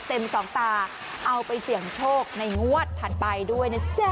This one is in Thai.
สองตาเอาไปเสี่ยงโชคในงวดถัดไปด้วยนะจ๊ะ